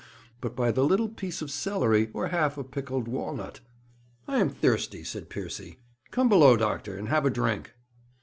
but by a little piece of celery, or half a pickled walnut.' 'I am thirsty,' said Piercy; 'come below, doctor, and have a drink.'